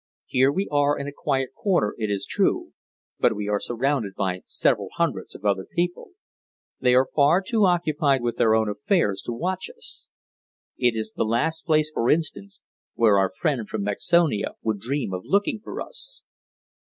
Here we are in a quiet corner, it is true, but we are surrounded by several hundreds of other people. They are far too occupied with their own affairs to watch us. It is the last place, for instance, where our friend from Mexonia would dream of looking for us."